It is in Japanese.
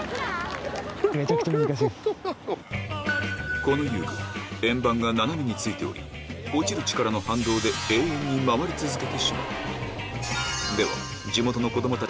この遊具円盤が斜めについており落ちる力の反動ででは・みんな離れて！